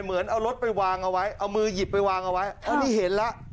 เหมือนเอารถไปวางเอาไว้เอามือหยิบไปวางเอาไว้อันนี้เห็นแล้ว